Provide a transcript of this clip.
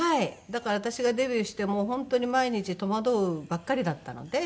だから私がデビューしてもう本当に毎日戸惑うばっかりだったので。